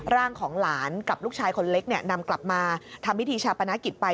ร่างของหลานกับลูกชายคนเล็กนำกลับมาทำพิธีชาปนกิจไป